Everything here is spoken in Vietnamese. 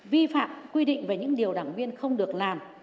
vi phạm quy định về những điều đảng viên không được làm